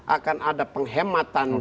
akan ada penghematan digital